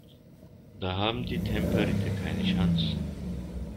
Da haben die Tempelritter keine Chance.